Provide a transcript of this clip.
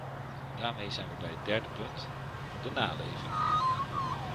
Daarmee zijn wij bij het derde punt: de naleving.